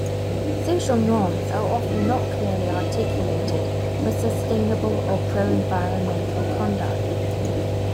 Social norms are often not clearly articulated for sustainable or pro-environmental conduct.